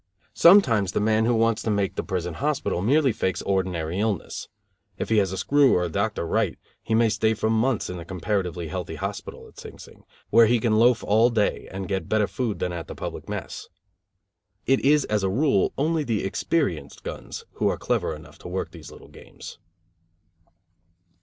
Sometimes the man who wants to make the prison hospital merely fakes ordinary illness. If he has a screw or a doctor "right" he may stay for months in the comparatively healthy hospital at Sing Sing, where he can loaf all day, and get better food than at the public mess. It is as a rule only the experienced guns who are clever enough to work these little games.